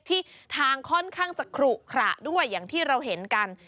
ที่ทางค่อนข้างจะขลุขระด้วยอย่างที่เราเห็นกัน